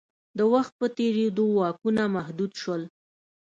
د وخت په تېرېدو واکونه محدود شول.